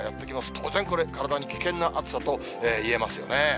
当然これ、体に危険な暑さといえますよね。